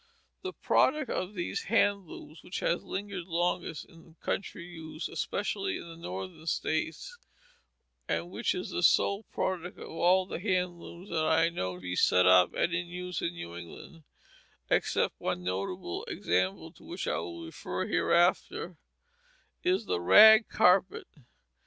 The product of these hand looms which has lingered longest in country use, especially in the Northern states, and which is the sole product of all the hand looms that I know to be set up and in use in New England (except one notable example to which I will refer hereafter), is the rag carpet.